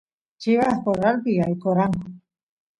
chivas corralpi yaykoranku